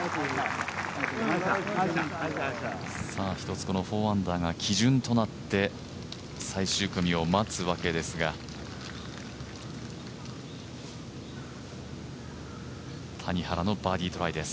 一つ、この４アンダーが基準となって最終組を待つわけですが谷原のバーディートライです。